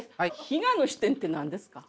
「非我の視点」って何ですか？